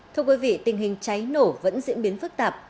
thưa quý vị tình hình cháy nổ vẫn diễn biến phức tạp